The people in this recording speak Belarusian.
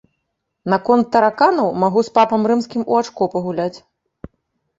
Наконт тараканаў магу з папам рымскім у ачко пагуляць.